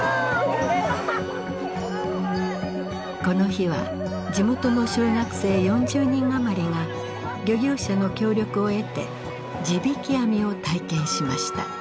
この日は地元の小学生４０人余りが漁業者の協力を得て地引き網を体験しました。